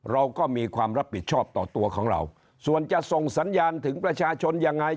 เราก็มีความรับผิดชอบต่อตัวของเราส่วนจะส่งสัญญาณถึงประชาชนยังไง